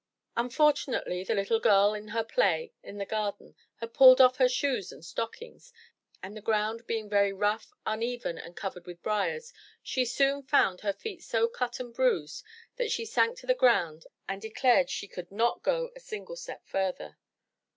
Unfortunately, the little girl in her play in the garden had pulled off her shoes and stockings, and the ground being very rough, uneven, and covered with briers, she soon found her feet so cut and bruised, that she sank to the ground and declared she could not go a single step further.